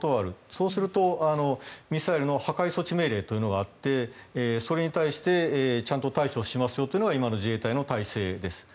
そうするとミサイルの破壊措置命令があってそれに対して対応しますよというのが今の自衛隊の体制です。